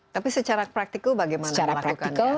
tapi secara praktikul bagaimana melakukannya